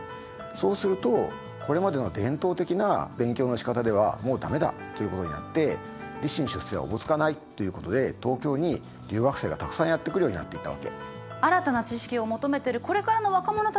そうするとこれまでの伝統的な勉強のしかたではもう駄目だということになって立身出世がおぼつかないということで東京に留学生がたくさんやって来るようになっていたわけ。